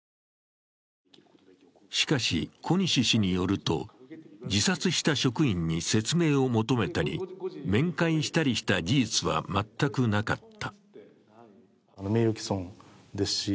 しかし、小西氏によると、自殺した職員に説明を求めたり面会したりした事実は全くなかった。